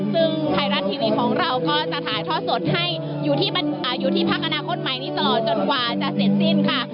ซึ่งไทยรัฐทีวีของเราก็จะถ่ายทอดสดให้อยู่ที่พักอนาคตใหม่นี้ตลอดจนกว่าจะเสร็จสิ้นค่ะ